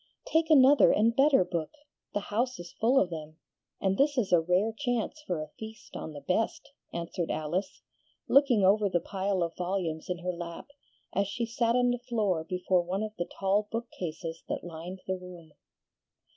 "Take another and a better book; the house is full of them, and this is a rare chance for a feast on the best," answered Alice, looking over the pile of volumes in her lap, as she sat on the floor before one of the tall book cases that lined the room.